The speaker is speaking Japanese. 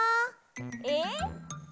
えっ？